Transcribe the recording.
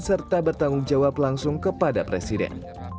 serta bertanggung jawab langsung kepada presiden